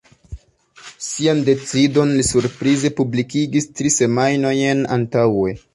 Sian decidon li surprize publikigis tri semajnojn antaŭe.